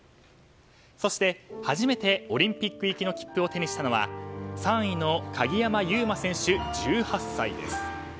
そして初めてオリンピック行きの切符を手にしたのは３位の鍵山優真選手、１８歳です。